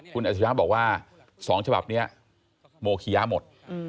คุณอาชญาบอกว่าสองฉบับนี้โมขิยาหมด